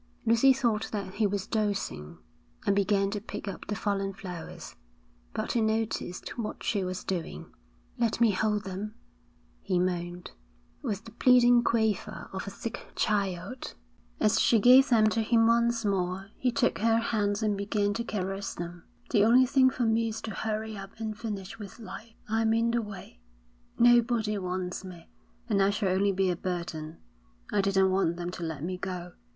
Lucy thought that he was dozing, and began to pick up the fallen flowers. But he noticed what she was doing. 'Let me hold them,' he moaned, with the pleading quaver of a sick child. As she gave them to him once more, he took her hands and began to caress them. 'The only thing for me is to hurry up and finish with life. I'm in the way. Nobody wants me, and I shall only be a burden. I didn't want them to let me go.